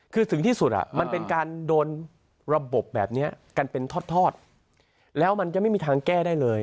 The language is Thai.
คือถึงที่สุดมันเป็นการโดนระบบแบบนี้กันเป็นทอดแล้วมันจะไม่มีทางแก้ได้เลย